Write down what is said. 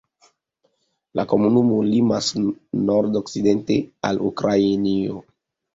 La komunumo limas nord-okcidente al Ukrainio.